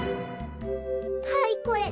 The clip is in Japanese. はいこれ。